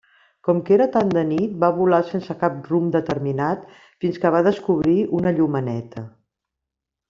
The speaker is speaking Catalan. Com que era tan de nit, va volar sense cap rumb determinat fins que va descobrir una llumeneta.